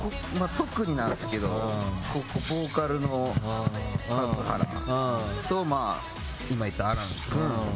特になんですけどボーカルの数原と今言った亜嵐君。